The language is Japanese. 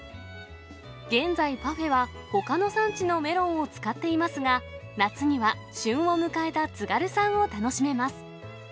現在、パフェは、ほかの産地のメロンを使っていますが、夏には旬を迎えたつがる産を楽しめます。